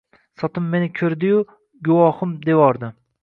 Sotim meni koʻrdiyu “guvohim” devordi.